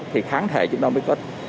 thì kháng thể chúng ta mới có